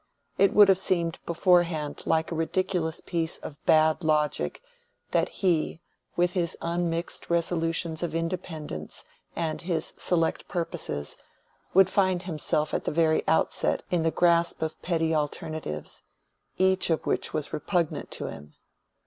It would have seemed beforehand like a ridiculous piece of bad logic that he, with his unmixed resolutions of independence and his select purposes, would find himself at the very outset in the grasp of petty alternatives, each of which was repugnant to him.